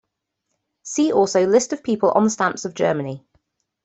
See also list of people on stamps of Germany.